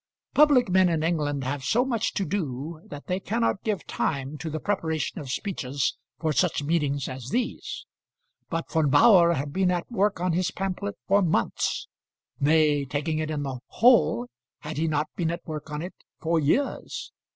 Public men in England have so much to do that they cannot give time to the preparation of speeches for such meetings as these, but Von Bauhr had been at work on his pamphlet for months. Nay, taking it in the whole, had he not been at work on it for years?